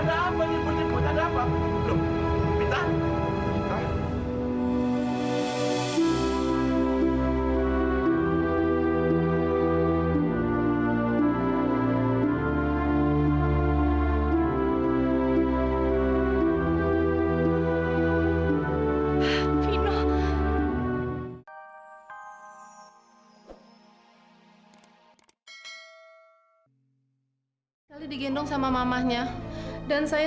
sampai jumpa di video selanjutnya